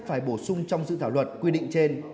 phải bổ sung trong dự thảo luật quy định trên